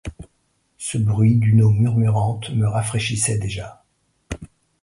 Ce bruit d’une eau murmurante me rafraîchissait déjà.